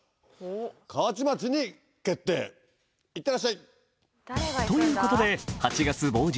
河内町に決定いってらっしゃい！ということで８月某日